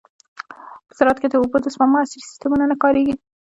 په زراعت کې د اوبو د سپما عصري سیستمونه نه کارېږي.